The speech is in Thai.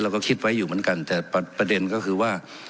เราก็คิดไว้อยู่เหมือนกันแต่ประเด็นก็คือว่า